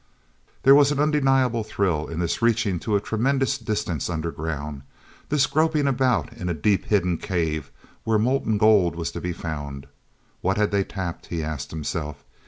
There was an undeniable thrill in this reaching to a tremendous distance underground, this groping about in a deep hidden cave, where molten gold was to be found. What had they tapped?—he asked himself.